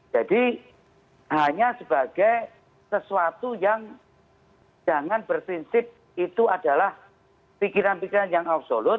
jadi hanya sebagai sesuatu yang jangan bersinsip itu adalah pikiran pikiran yang absolut